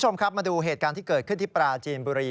มันดูเหตุการณ์ที่เกิดขึ้นในปลาจีนบุรี